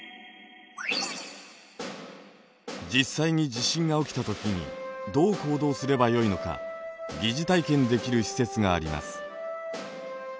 実際に地震が起きた時にどう行動すればよいのか疑似体験できる施設があります。